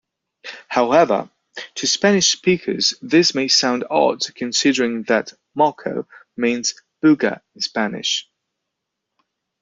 However, to Spanish-speakers, this may sound odd, considering that "moco" means "booger" in Spanish.